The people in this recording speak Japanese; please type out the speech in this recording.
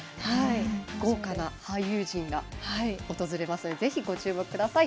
豪華な俳優人が訪れますのでぜひ、ご注目ください。